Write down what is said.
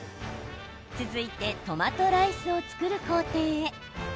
続いてトマトライスを作る工程へ。